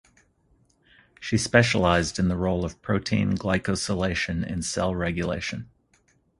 She specialised in the role of protein glycosylation in cell regulation.